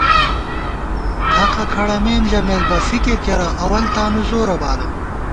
حقہ کھڑَمېم ژَمېس بہ فکر کېرہ اول تانُو زورہ بالہ